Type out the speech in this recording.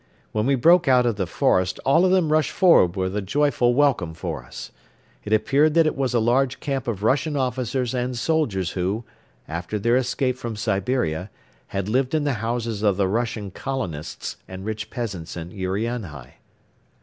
When we broke out of the forest all of them rushed forward with a joyful welcome for us. It appeared that it was a large camp of Russian officers and soldiers who, after their escape from Siberia, had lived in the houses of the Russian colonists and rich peasants in Urianhai.